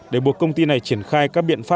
để buộc công ty này triển khai các biện pháp